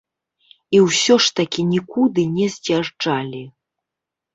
І ўсё ж такі нікуды не з'язджалі.